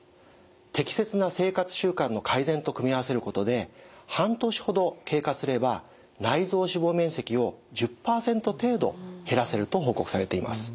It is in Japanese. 適切な生活習慣の改善と組み合わせることで半年ほど経過すれば内臓脂肪面積を１０％程度減らせると報告されています。